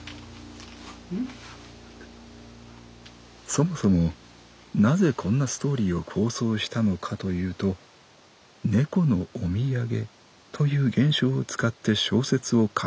「そもそもなぜこんなストーリーを構想したのかというと『猫のお土産』という現象を使って小説を書けないかと思ったからだ」。